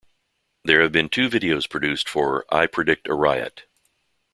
There have been two videos produced for "I Predict a Riot".